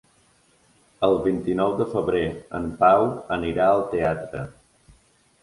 El vint-i-nou de febrer en Pau anirà al teatre.